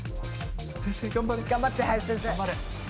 頑張って林先生。